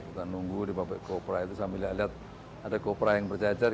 kita nunggu di pabrik kopra itu sambil lihat ada kopra yang berjajar